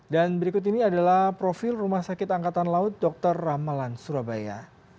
dan berikut ini adalah profil rumah sakit angkatan laut dr ramalan surabaya